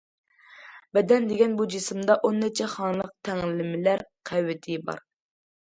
بەدەن دېگەن بۇ جىسىمدا ئون نەچچە خانىلىق تەڭلىمىلەر قەۋىتى بار.